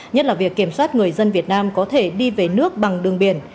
nhất là việc kiểm soát người dân việt nam có thể đi về nước bằng đường biển